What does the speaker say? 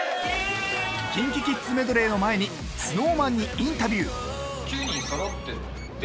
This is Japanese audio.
［ＫｉｎＫｉＫｉｄｓメドレーの前にＳｎｏｗＭａｎにインタビュー］